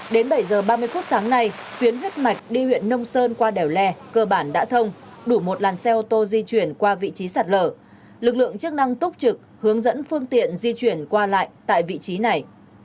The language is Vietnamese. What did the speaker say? đến bảy h ba mươi phút sáng nay tuyến huyết mạch đi huyện nông sơn qua đèo lè cơ bản đã thông đủ một làn xe ô tô di chuyển qua vị trí sạt lở lực lượng chức năng túc trực hướng dẫn phương tiện di chuyển qua lại tại vị trí này